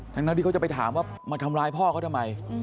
ทั้งที่เขาจะไปถามว่ามาทำร้ายพ่อเขาทำไม